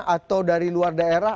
atau dari luar daerah